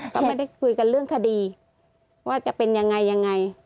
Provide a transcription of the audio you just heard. ก็ไม่ได้คุยกันเรื่องคดีว่าจะเป็นยังไงยังไง